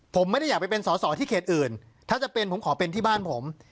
ผมไม่ได้อยากไปเป็นสอสอที่เขตอื่นถ้าจะเป็นผมขอเป็นที่บ้านผม